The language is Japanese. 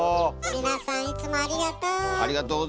皆さんいつもありがとう。